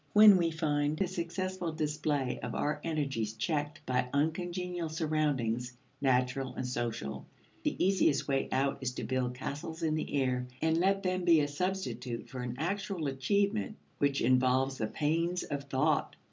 When we find the successful display of our energies checked by uncongenial surroundings, natural and social, the easiest way out is to build castles in the air and let them be a substitute for an actual achievement which involves the pains of thought.